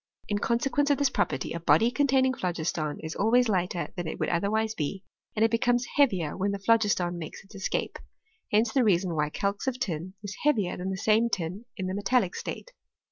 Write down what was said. In consequence of this property, a body containing phlogiston is always lighter than it would otherwise be^ and it becomes heavier when the phlogiston makes its escape : hence the reason why calx of tin is heavier than the same tin in the metallic state.